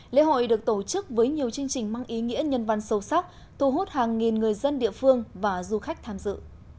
lễ hội được tổ chức với nhiều chương trình mang ý nghĩa nhân văn sâu sắc thu hút hàng nghìn người dân địa phương và du khách tham dự